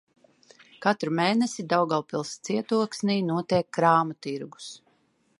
Katru mēnesi Daugavpils cietoksnī notiek krāmu tirgus.